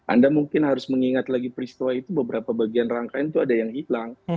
anda mungkin harus mengingat lagi peristiwa itu beberapa bagian rangkaian itu ada yang hilang